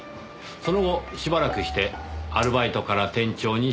その後しばらくしてアルバイトから店長に昇格。